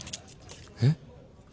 えっ？